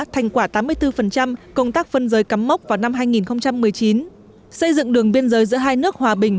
thành quả tám mươi bốn công tác phân giới cắm mốc vào năm hai nghìn một mươi chín xây dựng đường biên giới giữa hai nước hòa bình